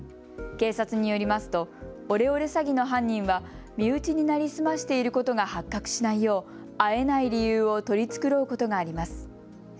警察によりますと、オレオレ詐欺の犯人は身内に成り済ましていることが発覚しないよう会えない理由を取り繕うことがあります。